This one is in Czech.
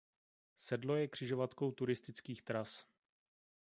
Sedlo je křižovatkou turistických tras.